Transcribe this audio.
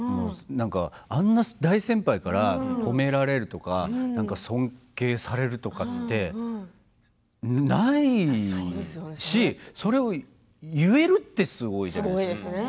あんな大先輩から褒められるとか尊敬されるとかってないし、それを言えるというのはすごいですよね。